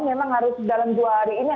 memang harus dalam dua hari ini